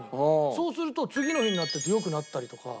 そうすると次の日になってると良くなったりとか。